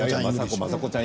正子ちゃん